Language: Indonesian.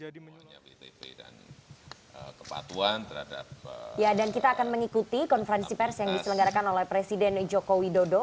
dan kita akan mengikuti konferensi pers yang diselenggarakan oleh presiden joko widodo